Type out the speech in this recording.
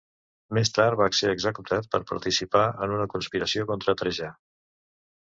Més tard va ser executat per participar en una conspiració contra Trajà.